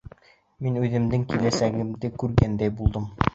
Мин үҙемдең киләсәгемде күргәндәй булдым!